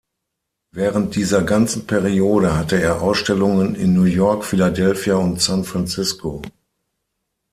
Während dieser ganzen Periode hatte er Ausstellungen in New York, Philadelphia und San Francisco.